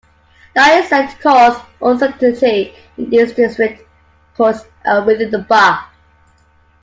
That is said to cause uncertainty in the district courts and within the bar.